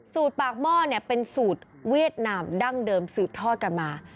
ปากหม้อเป็นสูตรเวียดนามดั้งเดิมสืบทอดกันมา